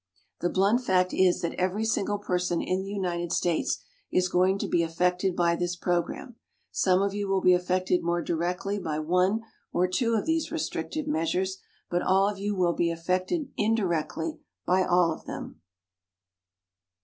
The blunt fact is that every single person in the United States is going to be affected by this program. Some of you will be affected more directly by one or two of these restrictive measures, but all of you will be affected indirectly by all of them.